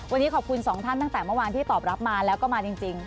วันนี้ขอบคุณสองท่านตั้งแต่เมื่อวานที่ตอบรับมาแล้วก็มาจริง